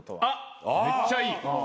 ・めっちゃいい。